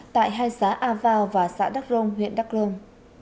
tại hai xã a vao và xã đắc rông huyện đắc rông